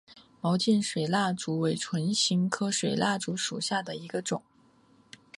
毛茎水蜡烛为唇形科水蜡烛属下的一个种。